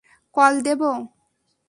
Call দেবো?